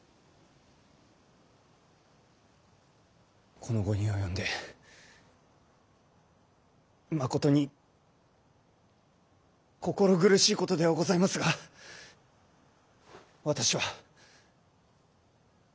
この期に及んでまことに心苦しいことではございますが私は。